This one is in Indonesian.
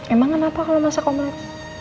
emang kenapa kalau masak omlet